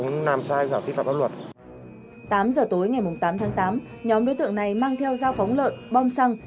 tám giờ tối ngày tám tháng tám nhóm đối tượng này mang theo dao phóng lợn bom xăng